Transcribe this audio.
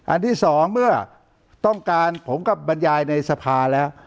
ที่สองเมื่อต้องการผมก็บรรยายในสภาแล้ว